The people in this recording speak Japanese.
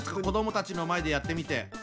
子どもたちの前でやってみて。